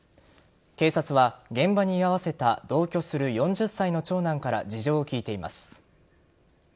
警察は現場に居合わせた同居する４０歳の長男から事情を聴いています。